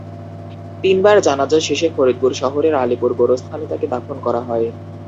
তিনবার জানাজা শেষে ফরিদপুর শহরের আলীপুর গোরস্থানে তাঁকে দাফন করা হয়।